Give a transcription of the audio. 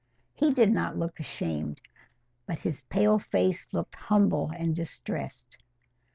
He did not look ashamed, but his pale face looked humble and distressed.